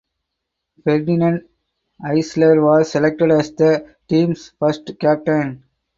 Ferdinand Isler was selected as the teams first captain.